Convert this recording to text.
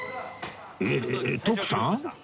えっ徳さん？